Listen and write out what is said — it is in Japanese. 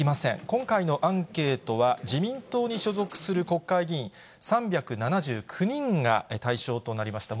今回のアンケートは、自民党に所属する国会議員３７９人が対象となりました。